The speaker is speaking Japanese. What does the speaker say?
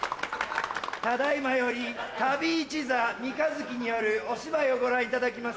ただ今より旅一座ミカヅキによるお芝居をご覧いただきます。